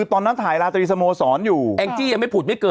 ตอนนั้นเลยเหรอ